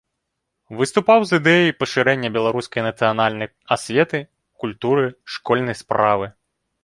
Выступаў з ідэяй пашырэння беларускай нацыянальнай асветы, культуры, школьнай справы.